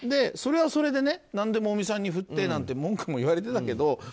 それはそれで何でも尾身さんに振ってなんて文句も言われていたけど。